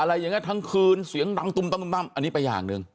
อะไรอย่างนี้ทั้งคืนเสียงดังตุ้มตั้มอันนี้ไปอย่างหนึ่ง